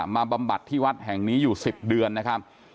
บำบัดที่วัดแห่งนี้อยู่๑๐เดือนนะครับ